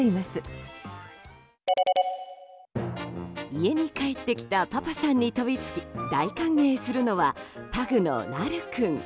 家に帰ってきたパパさんに飛びつき大歓迎するのは、パグのラル君。